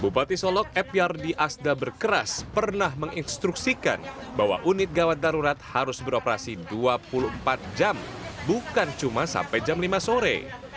bupati solok ep yardi asda berkeras pernah menginstruksikan bahwa unit gawat darurat harus beroperasi dua puluh empat jam bukan cuma sampai jam lima sore